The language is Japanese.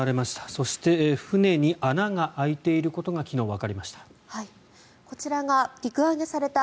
そして、船に穴が開いていることが昨日、わかりました。